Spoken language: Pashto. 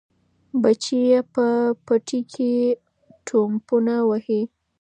بچي یې په پټي کې ټوپونه وهي.